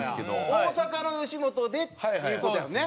大阪の吉本でっていう事やんね。